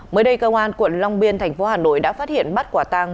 mới đây cơ quan quận long biên thành phố hà nội đã phát hiện bắt quả tang